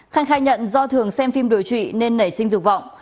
khanh khai nhận do thường xem phim đối trụy nên nảy sinh dục vọng